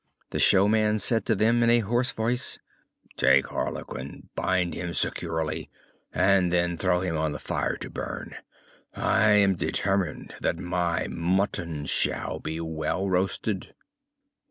The showman said to them in a hoarse voice: "Take Harlequin, bind him securely, and then throw him on the fire to burn. I am determined that my mutton shall be well roasted."